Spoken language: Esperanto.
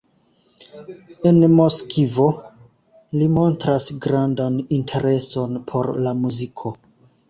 En Moskvo li montras grandan intereson por la muziko.